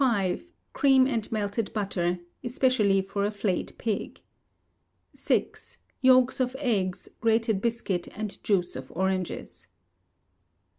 v. Cream and melted butter, especially for a flayed pig. vi. Yolks of eggs, grated biscuit and juice of oranges.